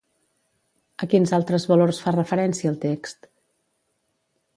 A quins altres valors fa referència el text?